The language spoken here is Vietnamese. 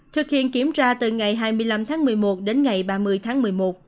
thực hiện kiểm tra từ ngày hai mươi năm tháng một mươi một đến ngày ba mươi tháng một mươi một